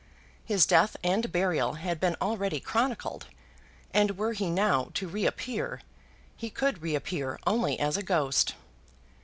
His death and burial had been already chronicled, and were he now to reappear, he could reappear only as a ghost.